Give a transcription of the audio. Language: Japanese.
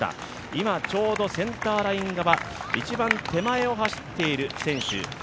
今、ちょうどセンターライン側、一番手前を走っている選手